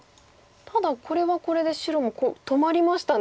ただこれはこれで白もこう止まりましたね。